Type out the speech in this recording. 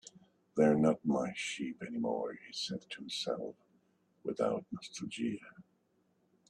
"They're not my sheep anymore," he said to himself, without nostalgia.